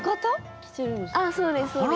ああそうですそうです。